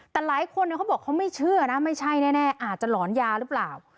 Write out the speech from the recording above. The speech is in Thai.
แต่หลายคนเขาบอกเขาไม่เชื่อนะไม่ใช่แน่อาจจะหลอนยาหรือเปล่า